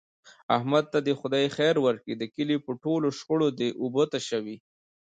احمد ته دې خدای خیر ورکړي د کلي په ټولو شخړو دی اوبه تشوي.